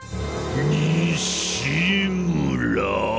にしむら。